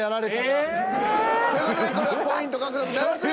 ええっ！？という事でこれはポイント獲得ならず。